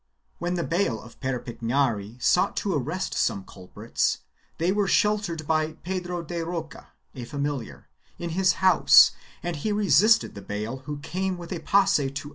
When the bayle of Perpignan sought to arrest some culprits they were sheltered by Pedro de Roca, a familiar, in his house and he resisted the bayle who came with a posse to 1 Mendoza, Guerra de Granada, p.